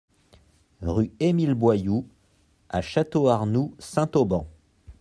Rue Émile Boyoud à Château-Arnoux-Saint-Auban